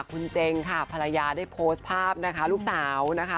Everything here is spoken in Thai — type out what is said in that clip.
คุณเจงค่ะภรรยาได้โพสต์ภาพนะคะลูกสาวนะคะ